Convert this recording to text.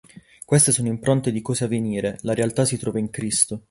Queste sono impronte di cose a venire; la realtà si trova in Cristo.